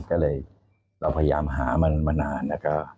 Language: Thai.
ก็เลยเราพยายามหามันมานาน